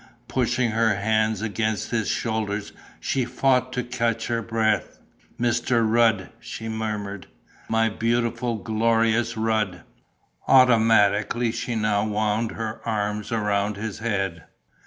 Pushing her hands against his shoulders, she fought to catch her breath: "My Rud!" she murmured. "My beautiful, glorious Rud!" Automatically she now wound her arms around his head.